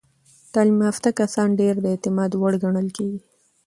تعلیم یافته کسان ډیر د اعتماد وړ ګڼل کېږي.